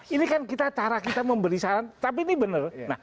ini kan cara kita memberi saran tapi ini benar